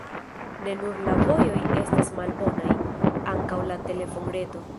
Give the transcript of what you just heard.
Ne nur la vojoj estas malbonaj, ankaŭ la telefonreto.